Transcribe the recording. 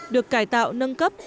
được cải tạo nâng cấp